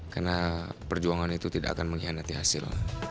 karena perjuangan itu tidak akan mengkhianati hasil